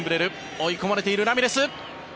追い込まれているラミレス。